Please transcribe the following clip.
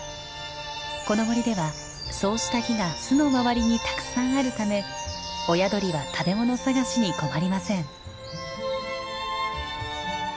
この森ではそうした木が巣の周りにたくさんあるため親鳥は食べ物探しに困りません。